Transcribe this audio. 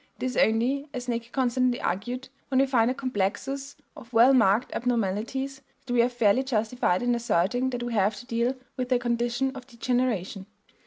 It is only, as Näcke constantly argued, when we find a complexus of well marked abnormalities that we are fairly justified in asserting that we have to deal with a condition of degeneration.